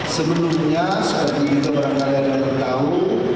sebelumnya seperti kita berangkat lihat dan tahu